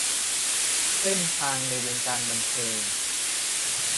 เส้นทางในวงการบันเทิง